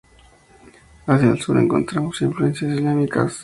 Hacia el sur encontramos influencias islámicas.